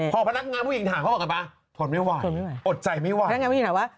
พอพนักงานผู้หญิงทางเขาบอกกันปะ